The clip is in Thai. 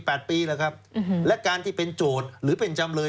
แปดปีแล้วครับอืมและการที่เป็นโจทย์หรือเป็นจำเลย